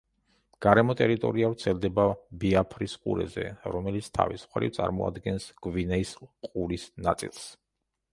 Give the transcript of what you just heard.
გარემო ტერიტორია ვრცელდება ბიაფრის ყურეზე, რომელიც თავის მხრივ, წარმოადგენს გვინეის ყურის ნაწილს.